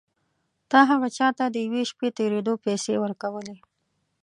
تا هغه چا ته د یوې شپې تېرېدو پيسې ورکولې.